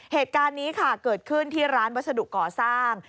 เหตุการณ์นี้ค่ะเกิดขึ้นที่ร้านวัสดุก่อสร้าง